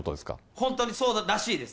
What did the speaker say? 本当にそうらしいです。